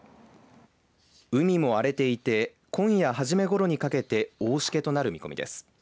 海も荒れていて今夜初めごろにかけて大しけとなる見込みです。